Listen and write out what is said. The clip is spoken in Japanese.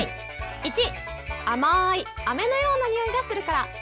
１、甘いアメのようなにおいがするから。